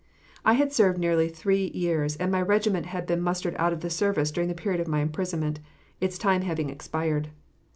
I had served nearly three years, and my regiment had been mustered out of service during the period of my imprisonment, its time having expired.